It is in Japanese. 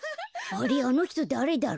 あれあのひとだれだろ？